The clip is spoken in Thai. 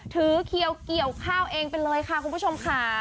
เขียวเกี่ยวข้าวเองไปเลยค่ะคุณผู้ชมค่ะ